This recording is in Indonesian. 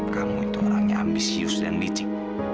kamu itu orangnya ambisius dan biji